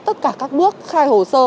tất cả các bước khai hồ sơ